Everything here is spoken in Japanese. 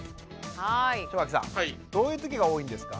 正垣さんどういうときが多いんですか？